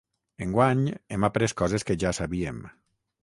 Enguany hem après coses que ja sabíem.